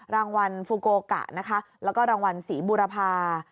รางวัลฟูโกกะนะคะแล้วก็รางวัลศรีบุรพา